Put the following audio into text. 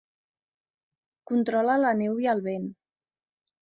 Controla la neu i el vent.